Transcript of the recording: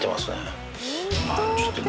まぁちょっとね。